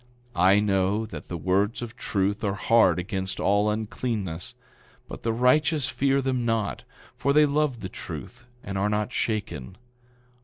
I know that the words of truth are hard against all uncleanness; but the righteous fear them not, for they love the truth and are not shaken.